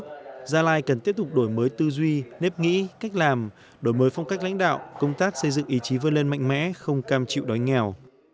tổng bí thư nguyễn phú trọng nói rằng gia lai cần tiếp tục đổi mới tư duy nếp nghĩ cách làm đổi mới phong cách lãnh đạo công tác xây dựng ý chí vươn lên mạnh mẽ không cam chịu đói nghèo